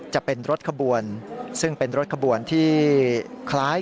จะเป็นรถขบวนซึ่งเป็นรถขบวนที่คล้าย